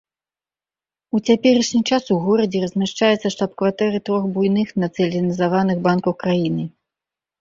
У цяперашні час у горадзе размяшчаецца штаб-кватэры трох буйных нацыяналізаваных банкаў краіны.